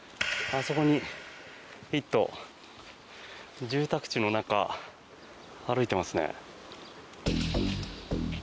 あそこに１頭住宅地の中、歩いてますね。